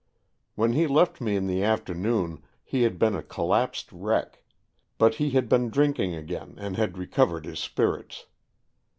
When he left me in the afternoon he had been a col lapsed wreck, but he had been drinking again and had recovered his spirits.